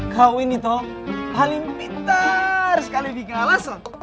kau ini toh paling pintar sekali dikalah sok